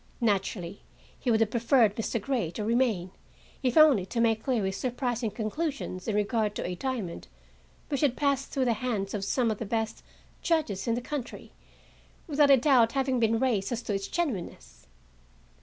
Naturally, he would have preferred Mr. Grey to remain, if only to make clear his surprising conclusions in regard to a diamond which had passed through the hands of some of the best judges in the country, without a doubt having been raised as to its genuineness.